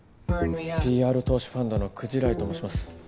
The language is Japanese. ＰＲ投資ファンドの鯨井と申します。